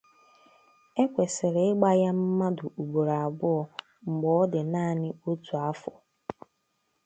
Ekwesịrị ịgba ya mmadụ ugboro abụọ mgbe ọdị naanị otu afo.